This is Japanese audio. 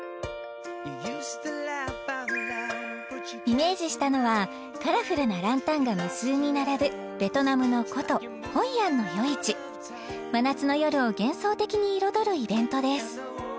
イメージしたのはカラフルなランタンが無数に並ぶベトナムの古都ホイアンの夜市真夏の夜を幻想的に彩るイベントです